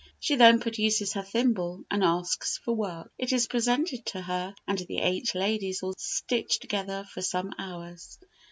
She then produces her thimble, and asks for work; it is presented to her, and the eight ladies all stitch together for some hours.